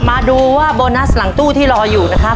มาดูว่าโบนัสหลังตู้ที่รออยู่